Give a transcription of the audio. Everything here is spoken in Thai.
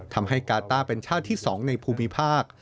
ทำให้กาต้าเป็นชาติที่๒ในภูมิภาค